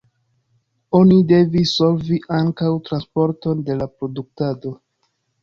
Oni devis solvi ankaŭ transporton de la produktado.